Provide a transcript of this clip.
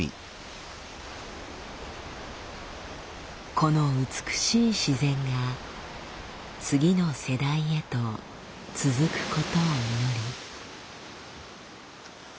この美しい自然が次の世代へと続くことを祈り。